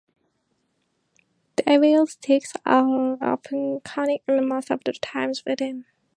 Devil sticks are often conic and most of the times wooden.